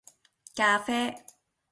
咖啡